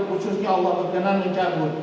khususnya allah berkenan mencabut